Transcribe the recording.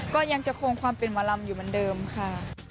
ก็ยังจะคงความเป็นหมอลำอยู่เหมือนเดิมค่ะ